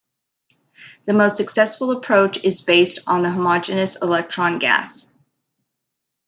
The most successful approach is based on the homogeneous electron gas.